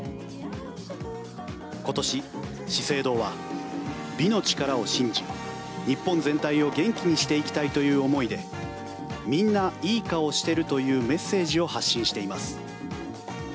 今年、資生堂は美の力を信じ日本全体を元気にしていきたいという思いで「みんな、いい顔してる。」というメッセージを発信しています。